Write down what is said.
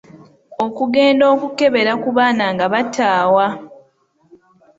Okugenda okukebera ku baana nga bataawa.